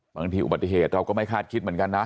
บางทีอุบัติเหตุเราก็ไม่คาดคิดเหมือนกันนะ